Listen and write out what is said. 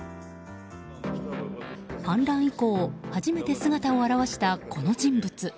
反乱以降初めて姿を現したこの人物。